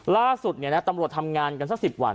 ล่าสุดตำรวจทำงานกันสัก๑๐วัน